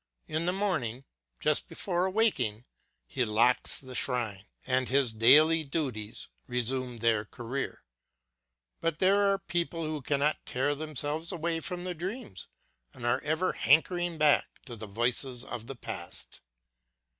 In the morning, just before awaking, he locks the shrine and his daily duties resume their career. But there are people who cannot tear themselves away from their dreams and are ever barkening back to the voices of the past.